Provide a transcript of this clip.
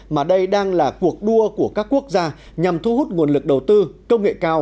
mà đây đang là cuộc đua của các quốc gia nhằm thu hút nguồn lực đầu tư công nghệ cao